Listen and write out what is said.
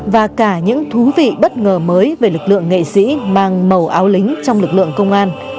và cả những thú vị bất ngờ mới về lực lượng nghệ sĩ mang màu áo lính trong lực lượng công an